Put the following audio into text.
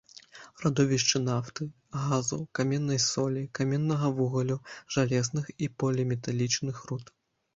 Радовішчы нафты, газу, каменнай солі, каменнага вугалю, жалезных і поліметалічных руд.